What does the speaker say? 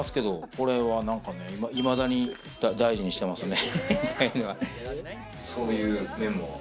これはなんかね、いまだに大事にしてますね。